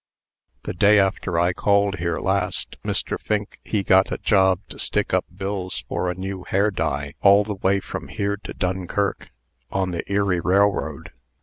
"The day after I called here last, Mr. Fink he got a job to stick up bills for a new hair dye, all the way from here to Dunkirk, on the Erie Railroad.